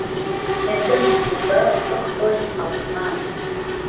هێنده مهحبوبه وەک حۆری عاسمان